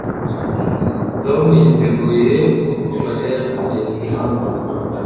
Tom yitegereza uko Mariya yazimiye nijoro